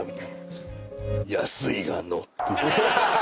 安いがのうって。